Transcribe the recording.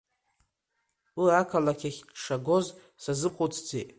Уи ақалақь ахь дшагоз сазымхәыцӡеит.